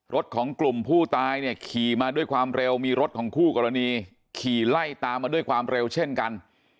รถของกลุ่มผู้ตายเนี่ยขี่มาด้วยความเร็วมีรถของคู่กรณีขี่ไล่ตามมาด้วยความเร็วเช่นกัน